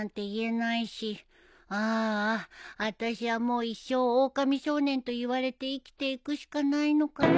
あああたしはもう一生おおかみ少年と言われて生きていくしかないのかな